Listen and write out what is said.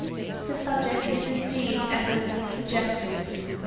The subject is indeed eminently suggestive.